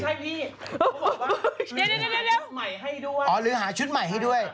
ไม่ใช่พี่เขาบอกว่าหรือหาชุดใหม่ให้ด้วย